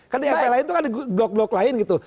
kan yang lain itu kan di blok blok lain gitu